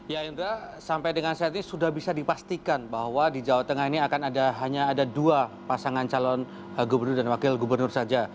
ya indra sampai dengan saat ini sudah bisa dipastikan bahwa di jawa tengah ini akan ada hanya ada dua pasangan calon gubernur dan wakil gubernur saja